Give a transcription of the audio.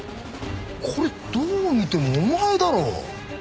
これどう見てもお前だろ。